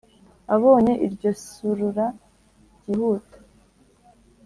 abonye iryo surura ryihuta,